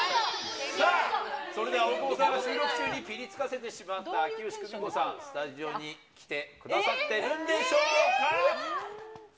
さあ、それでは大久保さんが収録中にぴりつかせてしまった秋吉久美子さん、スタジオに来てくださっているんでしょうか。